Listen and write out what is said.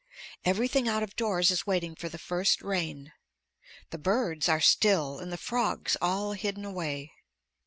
Everything out of doors is waiting for the first rain. The birds are still and the frogs all hidden away.